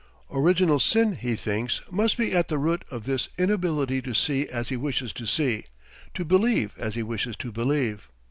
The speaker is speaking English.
Original sin he thinks must be at the root of this inability to see as he wishes to see, to believe as he wishes to believe.